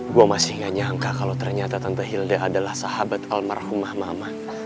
gue masih gak nyangka kalau ternyata tante hilda adalah sahabat almarhumah mama